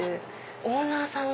オーナーさんが。